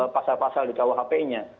pasal pasal di bawah hp nya